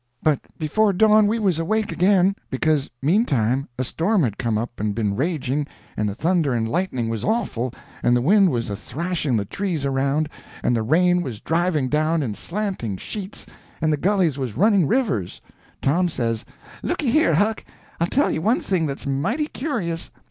But before dawn we was awake again, because meantime a storm had come up and been raging, and the thunder and lightning was awful, and the wind was a thrashing the trees around, and the rain was driving down in slanting sheets, and the gullies was running rivers. Tom says: "Looky here, Huck, I'll tell you one thing that's mighty curious.